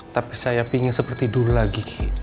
tapi saya ingin seperti dulu lagi